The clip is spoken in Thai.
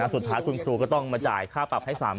สุดท้ายคุณครูก็ต้องมาจ่ายค่าปรับให้๓๐๐